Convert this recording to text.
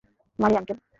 মারি, আঙ্কেল।